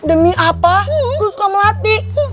demi apa lo suka melatik